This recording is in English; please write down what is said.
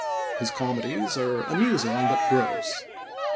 His comedies are amusing, but gross.